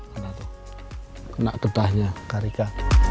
kena getahnya karika